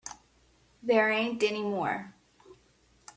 There ain't any more.